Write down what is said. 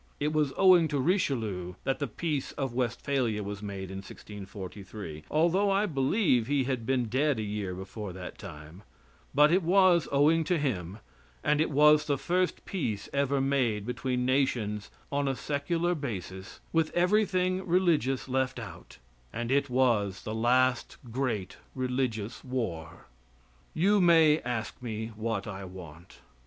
It was owing to Richelieu that the peace of Westphalia was made in 1643, although I believe he had been dead a year before that time; but it was owing to him, and it was the first peace ever made between nations on a secular basis, with everything religious left out, and it was the last great religious war. You may ask me what I want.